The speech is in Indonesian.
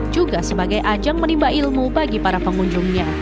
juga sebagai ajang menimba ilmu bagi para pengunjungnya